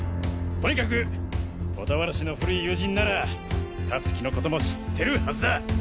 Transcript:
とにかく小田原氏の古い友人なら香月の事も知ってるはずだ！